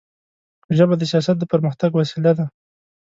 ژبه د سیاست د پرمختګ وسیله ده